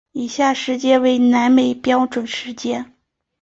以下时间为南美标准时间。